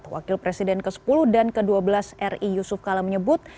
wakil presiden ke sepuluh dan ke dua belas ri yusuf kala menyebut